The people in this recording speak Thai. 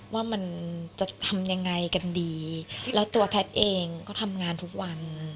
ว่ามันจะทำยังไงกันดีแล้วตัวแพทย์เองก็ทำงานทุกวัน